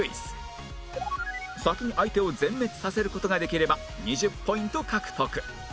先に相手を全滅させる事ができれば２０ポイント獲得